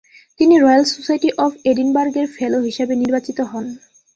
তিনি Royal Society of এডিনবার্গের fellow হিসাবে নির্বাচিত হন।